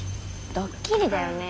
ドッキリだよね。